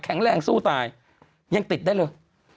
แรงสู้ตายยังติดได้เลย